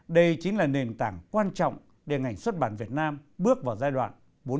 đây chính là nền tảng quan trọng để ngành xuất bản việt nam bước vào giai đoạn